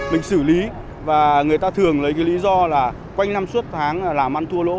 mình xử lý và người ta thường lấy cái lý do là quanh năm suốt tháng làm ăn thua lỗ